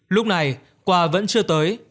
lúc này quà vẫn chưa tới